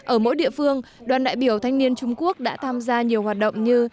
ở mỗi địa phương đoàn đại biểu thanh niên trung quốc đã tham gia nhiều hoạt động như